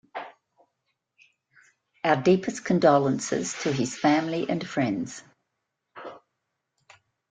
Our deepest condolences to his family and friends.